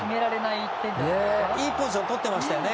いいコースを取ってましたよね。